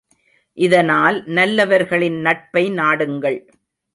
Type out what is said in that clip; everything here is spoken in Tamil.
இதனால் நல்லவர்களின் நட்பை நாடுங்கள்.